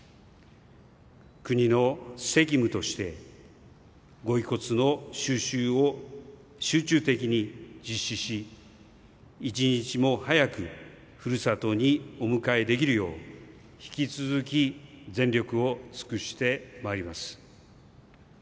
国の責務としてご遺骨の収集を集中的に実施し一日も早くふるさとにお迎えできるよう引き続き全力を尽くしてまいります。